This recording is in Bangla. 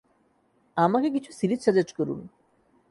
আমাকে কিছু সিরিজ সাজেস্ট করুন।